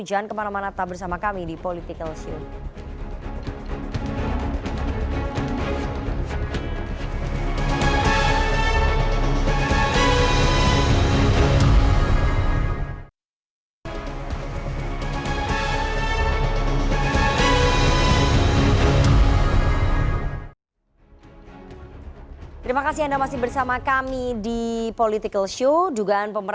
jangan kemana mana tetap bersama kami di politikals yud